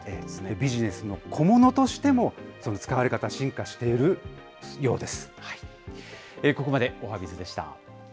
ビジネスの小物としても、使われ方、進化しているようです。